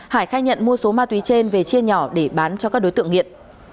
hải khai nhận mua số ma túy trên về chia nhỏ để bán cho các đối tượng nghiện